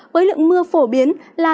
với lượng mưa phổ biến là